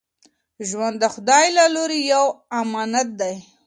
ژوند د خدای له لوري یو امانت دی.